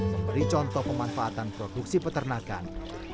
memberi contoh pemanfaatan produksi peternakan